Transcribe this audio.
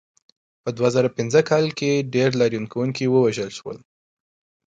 په دوه زره پنځه کال کې ډېر لاریون کوونکي ووژل شول.